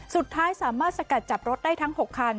สุดท้ายสามารถสกัดจับรถได้ทั้ง๖คัน